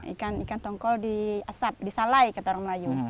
ikan tongkol di asap disalai ke tarong melayu